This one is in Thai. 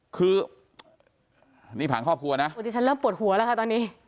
คือนี่ผังครอบครัวนะปกติฉันเริ่มปวดหัวแล้วค่ะตอนนี้